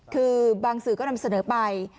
คือบางสื่อก็นำเสนอไป